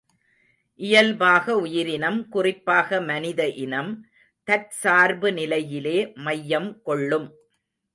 இயல்பாக உயிரினம் குறிப்பாக மனித இனம் தற்சார்பு நிலையிலே மையம் கொள்ளும்.